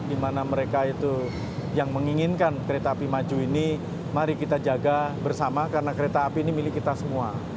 di mana mereka itu yang menginginkan kereta api maju ini mari kita jaga bersama karena kereta api ini milik kita semua